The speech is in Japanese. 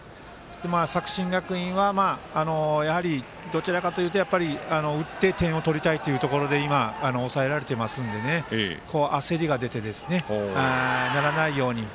作新学院はやはりどちらかというと打って点を取りたいということで抑えられているので焦りが出ないように。